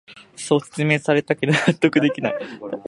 そう説明されたけど納得できない